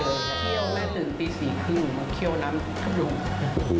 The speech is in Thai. เที่ยวแม่ตื่นตี๔๓๐ตีน้ำขึ้นดู